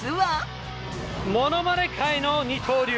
ものまね界の二刀流。